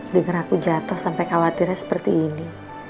dengar aku jatuh sampai khawatirnya seperti ini